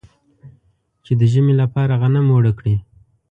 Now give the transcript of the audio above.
چې د ژمي لپاره غنم اوړه کړي.